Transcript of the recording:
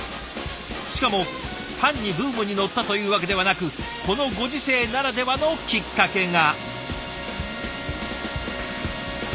しかも単にブームに乗ったというわけではなくこのご時世ならではのきっかけが。